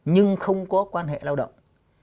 nhưng không có quan hệ lao động